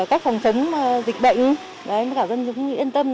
cách phòng chống dịch bệnh cả dân cũng yên tâm